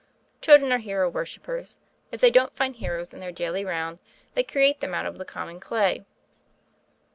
Children are hero worshippers. If they don't find heroes in their daily round, they create them out of the common clay.